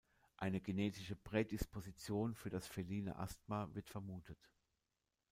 Eine genetische Prädisposition für das feline Asthma wird vermutet.